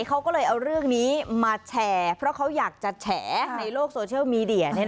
เขาก็เลยเอาเรื่องนี้มาแชร์เพราะเขาอยากจะแฉในโลกโซเชียลมีเดีย